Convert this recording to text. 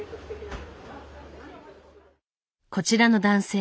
こちらの男性